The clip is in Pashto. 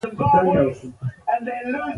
یو بل مسوول له ده پوښتنه کوي.